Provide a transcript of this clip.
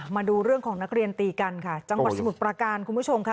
มาดูเรื่องของนักเรียนตีกันค่ะจังหวัดสมุทรประการคุณผู้ชมค่ะ